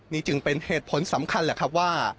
นี่จึงเป็นเหตุผลสำคัญแหละครับว่า